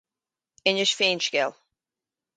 Inis féin scéal.